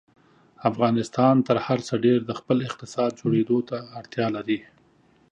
افغانستان تر هر څه ډېر د خپل اقتصاد جوړېدو ته اړتیا لري.